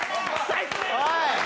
おい！